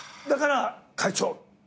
だから「会長」